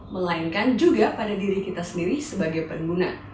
melainkan juga pada diri kita sendiri sebagai pengguna